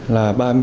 và anh hiệu